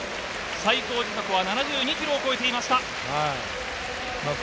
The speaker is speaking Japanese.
最高時速７２キロを超えていました。